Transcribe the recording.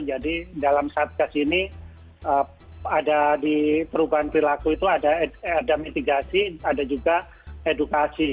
jadi dalam saat kesini ada di perubahan perilaku itu ada mitigasi ada juga edukasi